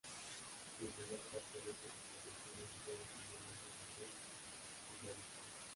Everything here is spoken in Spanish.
La mayor parte de esas intervenciones fueron como anuncios en prensa y en revistas.